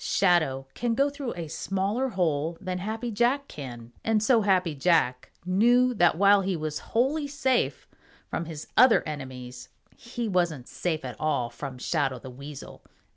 Shadow can go through a smaller hole than Happy Jack can, and so Happy Jack knew that while he was wholly safe from his other enemies, he wasn't safe at all from Shadow the Weasel.